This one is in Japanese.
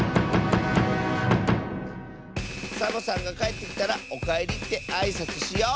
サボさんがかえってきたら「おかえり」ってあいさつしよう！